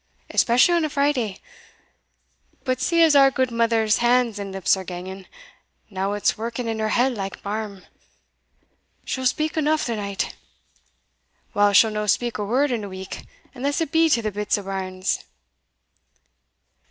especially on a Friday But see as our gudemither's hands and lips are ganging now it's working in her head like barm she'll speak eneugh the night. Whiles she'll no speak a word in a week, unless it be to the bits o' bairns."